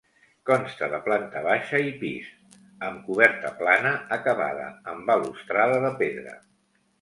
Consta de planta baixa i pis, amb coberta plana acabada en balustrada de pedra.